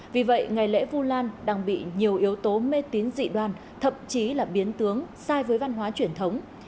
vì vậy ngày lễ vu lan đang bị nhiều yếu tố mê tín dị đoan thậm chí là biến tướng sai với văn hóa truyền thống